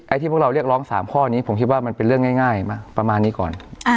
ที่พวกเราเรียกร้อง๓ข้อนี้ผมคิดว่ามันเป็นเรื่องง่ายมาประมาณนี้ก่อน